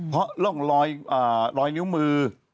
เพราะร่องรอยนิ้วมือ